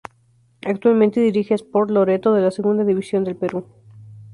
Actualmente dirige a Sport Loreto de la Segunda División del Perú.